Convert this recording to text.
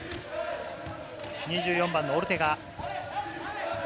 ２４番のオルテガ。